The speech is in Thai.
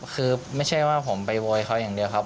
คือไม่ใช่ว่าผมไปโวยเขาอย่างเดียวครับ